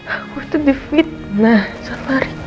aku itu difitnah sama riki